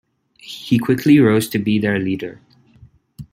He quickly rose to be their leader.